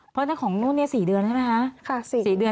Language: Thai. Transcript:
เพราะฉะนั้นของนู้นเนี้ยสี่เดือนใช่ไหมฮะค่ะสี่เดือน